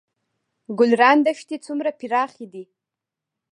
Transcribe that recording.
ګلران دښتې څومره پراخې دي؟